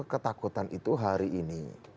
ketakutan itu hari ini